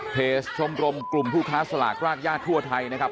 ชมรมกลุ่มผู้ค้าสลากรากญาติทั่วไทยนะครับ